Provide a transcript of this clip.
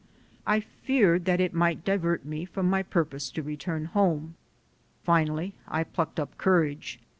I feared that it might divert me from my purpose to return home. Finally I plucked up courage.